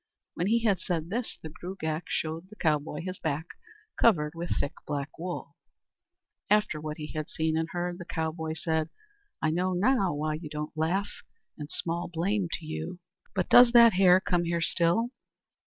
When he had said this, the Gruagach showed the cowboy his back covered with thick black wool. After what he had seen and heard, the cowboy said: "I know now why you don't laugh, and small blame to you. But does that hare come here still?"